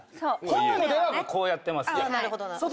ホームではこうやってます。